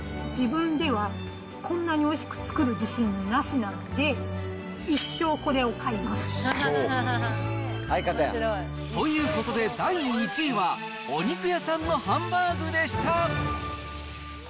自分ではこんなにおいしく作る自信なしなんで、一生これを買いまということで、第１位はお肉屋さんのハンバーグでした。